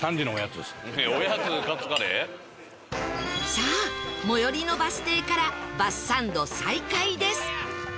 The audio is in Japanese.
さあ最寄りのバス停からバスサンド再開です